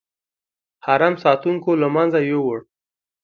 حرم ساتونکو له منځه یووړ.